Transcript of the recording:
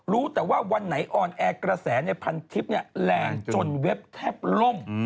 รู้แต่ว่าวันไหนออนแอร์กระแสในพันทิพย์แรงจนเว็บแทบล่ม